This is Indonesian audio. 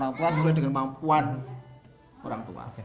biar dia rebukan sama orang tua sesuai dengan kemampuan orang tua